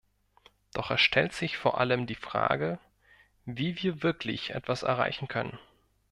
Doch es stellt sich vor allem die Frage, wie wir wirklich etwas erreichen können.